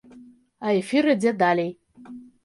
А эфір ідзе далей.